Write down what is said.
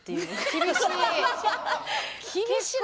厳しない？